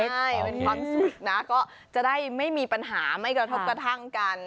ใช่เป็นความสุขนะก็จะได้ไม่มีปัญหาไม่กระทบกระทั่งกัน